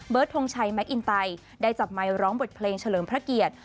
ทงชัยแมคอินไตได้จับไมค์ร้องบทเพลงเฉลิมพระเกียรติ